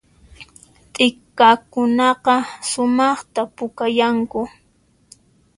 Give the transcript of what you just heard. T'ikakunaqa sumaqta pukayanku